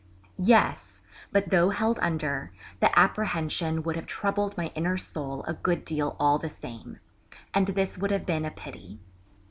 Yes; but though held under, the apprehension would have troubled my inner soul a good deal all the same; and this would have been a pity.